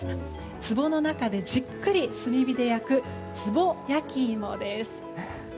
つぼの中でじっくり炭火で焼くつぼ焼き芋です。